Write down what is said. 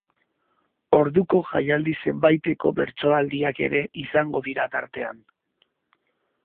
Orduko jaialdi zenbaiteko bertsoaldiak ere izango dira tartean.